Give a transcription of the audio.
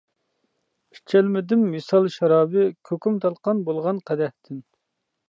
ئىچەلمىدىم ۋىسال شارابى، كۇكۇم تالقان بولغان قەدەھتىن.